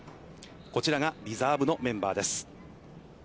こちらがリザーブのメンバーです。